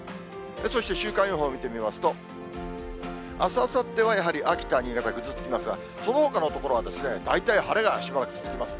そして週間予報見てみますと、あす、あさってはやはり秋田、新潟、ぐずつきますが、そのほかの所はですね、大体晴れがしばらく続きます。